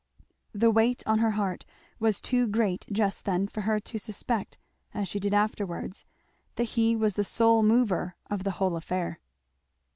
The weight on her heart was too great just then for her to suspect as she did afterwards that he was the sole mover of the whole affair.